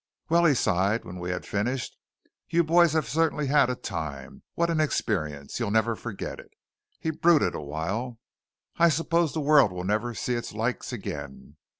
"Well!" he sighed when we had finished. "You boys have certainly had a time! What an experience! You'll never forget it!" He brooded a while. "I suppose the world will never see its like again.